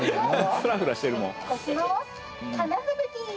フラフラしてるもん。